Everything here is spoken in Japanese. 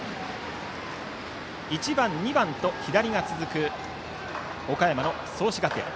１番、２番と左が続く岡山の創志学園。